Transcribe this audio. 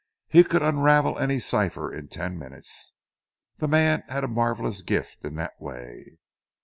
He could unravel any cipher in ten minutes. The man had a marvellous gift in that way."